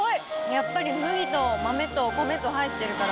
やっぱり麦と豆と米と入っているから。